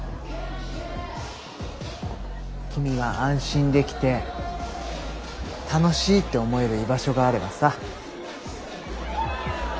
君が安心できて楽しいって思える居場所があればさ。